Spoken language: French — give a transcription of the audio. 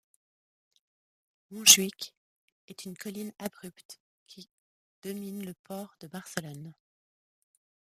Montjuïc est une colline abrupte qui domine le port de Barcelone.